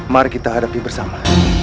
mari kita hadapi bersama